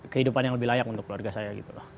kehidupan yang lebih layak untuk keluarga saya gitu loh